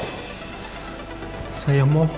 jangan sampai dia ada di telinga